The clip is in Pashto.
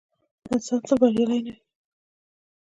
انسان تل بریالی نه وي.